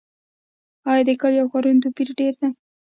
آیا د کلیو او ښارونو توپیر ډیر دی؟